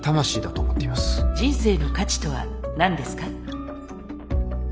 人生の価値とは何ですか？